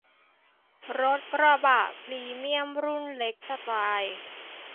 รถกระบะพรีเมียมรุ่นเล็กสไตล์